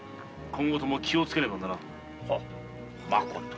今後とも気をつけねばならぬ。